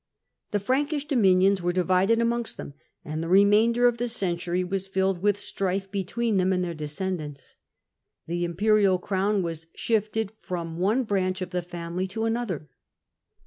The Frankish dominions were divided amongst them, and the remainder of the century was filled with strife between them and their descendants. The imperial crown was shifted from one branch of the family to another.